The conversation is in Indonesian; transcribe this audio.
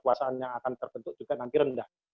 kekuasaan yang akan terbentuk juga nanti rendah